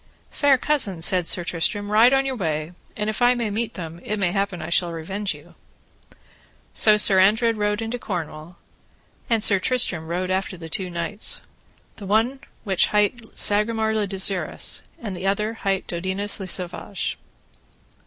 Fair cousin, said Sir Tristram, ride on your way, and if I may meet them it may happen I shall revenge you. So Sir Andred rode into Cornwall, and Sir Tristram rode after the two knights, the which one hight Sagramore le Desirous, and the other hight Dodinas le Savage.